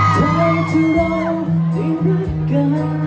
ถ้าเธอจะรักได้รักกัน